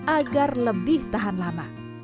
agar lebih tahan lama